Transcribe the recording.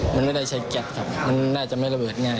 มันไม่ได้ใช่แกะมันจะไม่ระเบิดง่าย